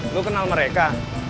lo kenal mereka